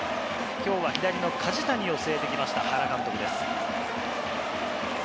きょうは左の梶谷を据えてきました、原監督です。